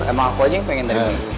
emang aku aja yang pengen dari